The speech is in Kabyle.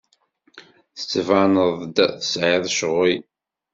Tettbaneḍ-d tesɛiḍ ccɣel.